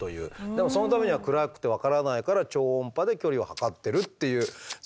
でもそのためには暗くて分からないから超音波で距離を測ってるっていう。